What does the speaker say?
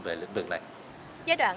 về lĩnh vực này giai đoạn